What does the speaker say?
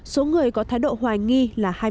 số người có thái độ hoài nghi là hai mươi